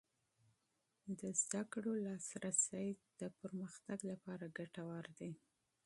د علم حاصلول د پرمختګ لپاره ګټور دی.